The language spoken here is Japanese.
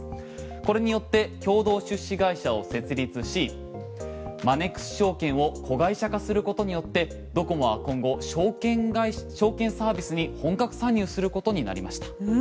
これによって共同出資会社を設立しマネックス証券を子会社化することによってドコモは今後証券サービスに本格参入することになりました。